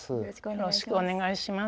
よろしくお願いします。